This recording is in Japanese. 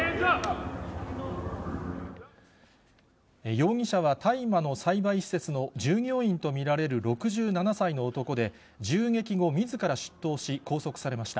容疑者は大麻の栽培施設の従業員と見られる６７歳の男で、銃撃後、みずから出頭し、拘束されました。